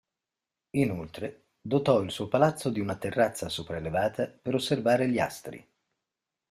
Inoltre, dotò il suo palazzo di una terrazza sopraelevata per osservare gli astri.